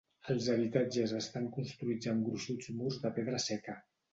Els habitatges estan construïts amb gruixuts murs de pedra seca.